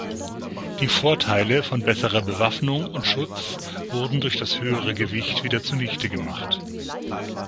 Die Vorteile von besserer Bewaffnung und Schutz wurden durch das höhere Gewicht wieder zunichtegemacht.